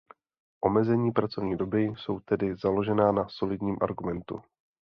Omezení pracovní doby jsou tedy založena na solidním argumentu.